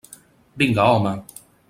Vinga, home!